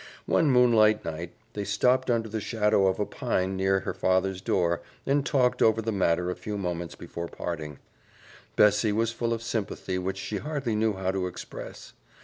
One moonlight night they stopped under the shadow of a pine near her father's door, and talked over the matter a few moments before parting. Bessie was full of sympathy which she hardly knew how to express.